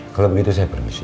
kalau begitu saya permisi